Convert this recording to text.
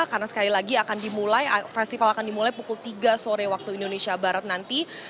karena sekali lagi akan dimulai festival akan dimulai pukul tiga sore waktu indonesia barat nanti